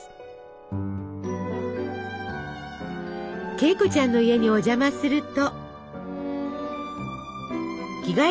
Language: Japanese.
Ｋ子ちゃんの家にお邪魔すると。